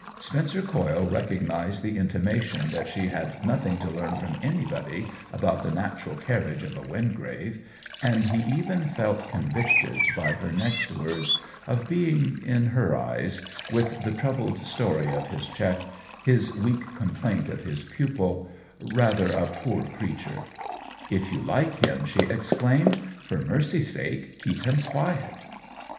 Spencer Coyle recognized the intimation that she had nothing to learn from anybody about the natural carriage of a Wingrave, and he even felt convicted by her next words of being, in her eyes, with the troubled story of his check, his weak complaint of his pupil, rather a poor creature. " If you like him," she exclaimed, " for mercy's sake, keep him quiet